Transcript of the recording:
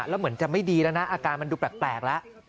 แล้วเหมือนจะไม่ดีแล้วนะอาการมันดูแปลกแล้ว